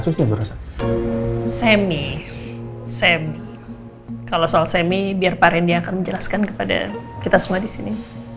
kalau soal semi biar pak rendy akan menjelaskan kepada kita semua di sini